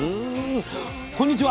こんにちは。